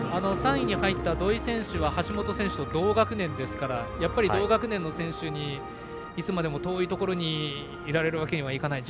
３位に入った土井選手は橋本選手と同学年ですから同学年の選手にいつまでも遠いところにいられるわけにはいかない。